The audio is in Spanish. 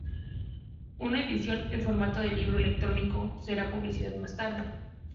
Una edición en formato de libro electrónico será publicada más tarde.